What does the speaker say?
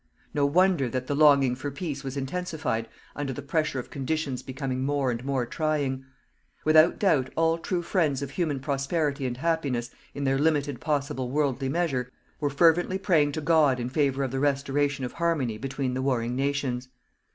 No wonder that the longing for peace was intensified under the pressure of conditions becoming more and more trying. Without doubt all true friends of human prosperity and happiness, in their limited possible worldly measure, were fervently praying to God in favour of the restoration of harmony between the warring Nations.